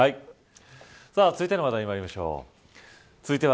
続いての話題にまいりましょう。